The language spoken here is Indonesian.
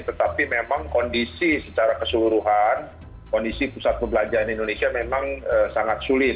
tetapi memang kondisi secara keseluruhan kondisi pusat perbelanjaan indonesia memang sangat sulit